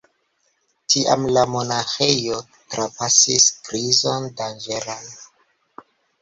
Tiam la monaĥejo trapasis krizon danĝeran.